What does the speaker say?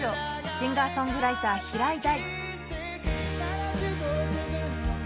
シンガーソングライター平井大。